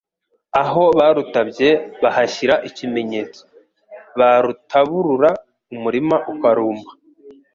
Aho barutabye bahashyira ikimenyetso, barutaburura umurima ukarumba,